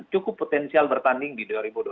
cukup potensial bertanding di dua ribu dua puluh